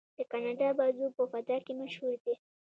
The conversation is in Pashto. د کاناډا بازو په فضا کې مشهور دی.